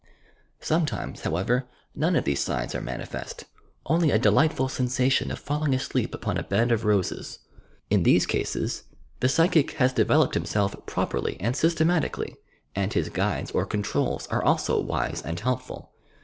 Sometimes, however, none of these signs arc manifest — only a delightful sensation of falling asleep upon a bed of roses. In these cases, the psychic has developed TRANCE 181 himself properly and Hystematically, and his guides or controls are also wise and helpful.